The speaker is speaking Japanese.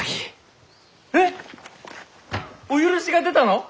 えっお許しが出たの！？